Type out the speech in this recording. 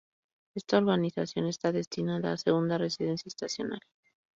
Esta urbanización está destinada a segunda residencia estacional.